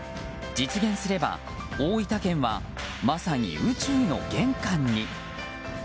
実現すれば、大分県はまさに宇宙の玄関に。